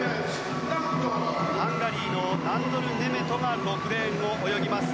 ハンガリーのナンドル・ネメトが６レーンを泳ぎます。